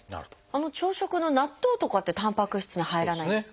あの朝食の納豆とかってたんぱく質に入らないんですか？